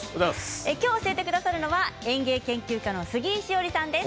きょう教えてくださるのは園芸研究家の杉井志織さんです。